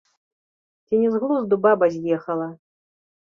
Ці не з глузду баба з'ехала?